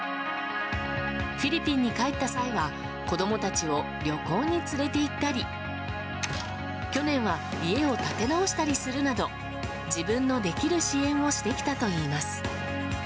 フィリピンに帰った際は子供たちを旅行に連れて行ったり去年は家を建て直したりするなど自分のできる支援をしてきたといいます。